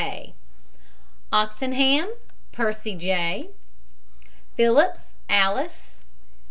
A. OXENHAM, PERCY J. PHILLIPS, ALICE.